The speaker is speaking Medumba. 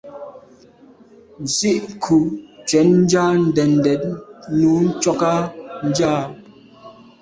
Nzìkû’ cwɛ̌d nja ndèdndèd nùú ntchɔ́k á jáà.